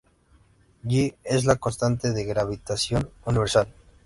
G es la constante de gravitación universal.